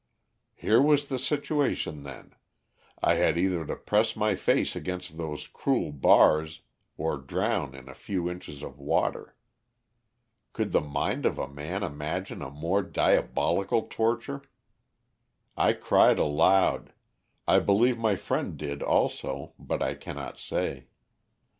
"Here was the situation, then I had either to press my face against those cruel bars or drown in a few inches of water. Could the mind of man imagine a more diabolical torture? I cried aloud; I believe my friend did also, but I cannot say.